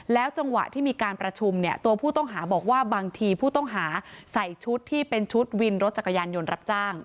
จังหวะที่มีการประชุมเนี่ยตัวผู้ต้องหาบอกว่าบางทีผู้ต้องหาใส่ชุดที่เป็นชุดวินรถจักรยานยนต์รับจ้าง